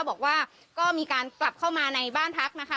บอกว่าก็มีการกลับเข้ามาในบ้านพักนะคะ